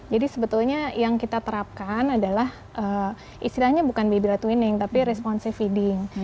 jadi sebetulnya yang kita terapkan adalah istilahnya bukan baby life winning tapi responsive feeding